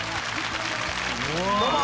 どうも！